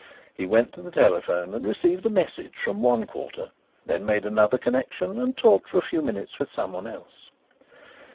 He went to the telephone and received a message from one quarter; then made another connection and talked for a few minutes with someone else.